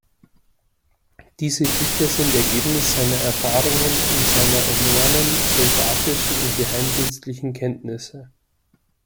Diese Bücher sind Ergebnis seiner Erfahrungen und seiner enormen soldatischen und geheimdienstlichen Kenntnisse.